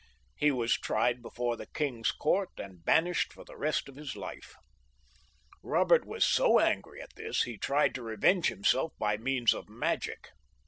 He was tried before the king's court, and banished for the rest of his life. Eobert was so angry at this, that he tried to revenge himself by means of magic.